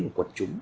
của quốc gia